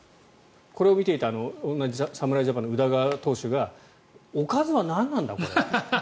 これを見ていた同じ侍ジャパンの宇田川投手がおかずは何なんだと。